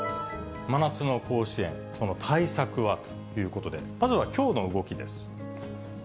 真夏の甲子園、その対策は？ということで、まずはきょうの動きです。